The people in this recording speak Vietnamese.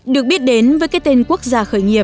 được biết đến với cái tên quốc gia khởi nghiệp